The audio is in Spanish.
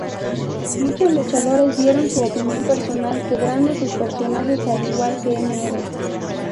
Muchos luchadores dieron su opinión personal quebrando sus personajes al igual que Mr.